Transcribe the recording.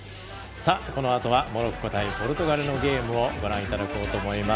さあこのあとはモロッコ対ポルトガルのゲームをご覧いただこうと思います。